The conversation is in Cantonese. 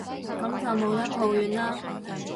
噉就冇得抱怨喇